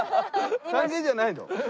歓迎じゃないの？